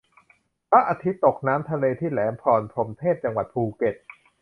พระอาทิตย์ตกน้ำทะเลที่แหลมพรหมเทพ จังหวัดภูเก็ต